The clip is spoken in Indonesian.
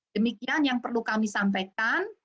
demikian yang perlu kami sampaikan